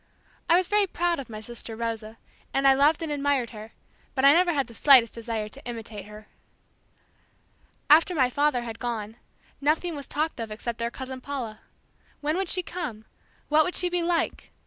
I was very proud of my sister Rosa, and I loved and admired her, but I never had the slightest desire to imitate her. After my father had gone, nothing was talked of except our cousin Paula. When would she come? What would she be like?